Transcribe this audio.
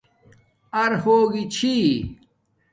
اَرہوگی چھئ